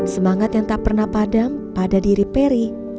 semangat yang tak pernah padam pada diri peri